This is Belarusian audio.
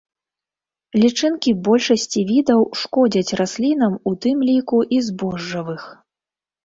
Лічынкі большасці відаў шкодзяць раслінам, у тым ліку і збожжавых.